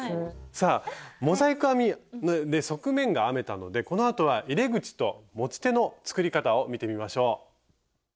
さあモザイク編みで側面が編めたのでこのあとは入れ口と持ち手の作り方を見てみましょう。